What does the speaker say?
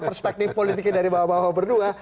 perspektif politiknya dari bapak bapak berdua